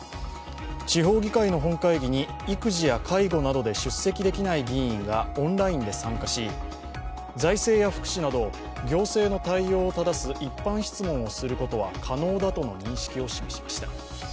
地方議会の本会議に育児や介護などで出席できない議員がオンラインで参加し財政や福祉など行政の対応をただす一般質問をすることは可能だとの認識を示しました。